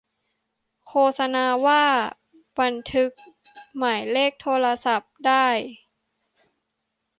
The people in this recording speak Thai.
โฆษณาว่า บันทึกหมายเลขโทรศัพท์ได้